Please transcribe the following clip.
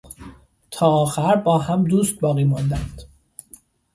تا آخر با هم دوست باقی ماندند.